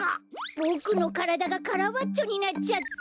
ボクのからだがカラバッチョになっちゃった。